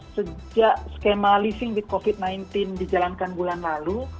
sejak skema leasing with covid sembilan belas dijalankan bulan lalu